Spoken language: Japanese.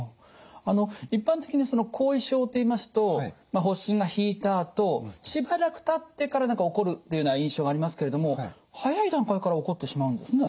あの一般的にその後遺症といいますとまあ発疹が引いたあとしばらくたってから起こるっていうような印象がありますけれども早い段階から起こってしまうんですね。